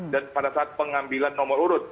dan pada saat pengambilan nomor urut